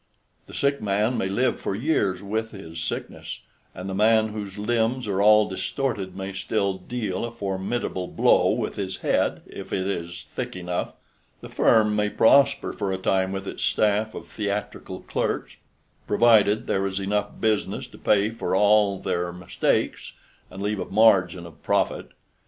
"The sick man may live for years with his sickness, and the man whose limbs are all distorted may still deal a formidable blow with his head, if it is thick enough. The firm may prosper for a time with its staff of theatrical clerks, provided there is enough business to pay for all their mistakes and leave a margin of profit.